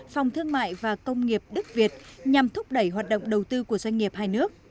phòng thương mại và công nghiệp đức việt nhằm thúc đẩy hoạt động đầu tư của doanh nghiệp hai nước